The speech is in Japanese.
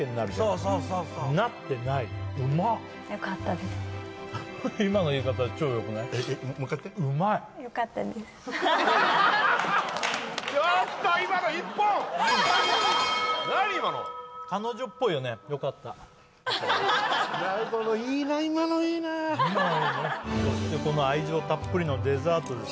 そしてこの愛情たっぷりのデザートです。